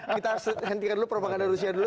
kita hentikan dulu propaganda rusia dulu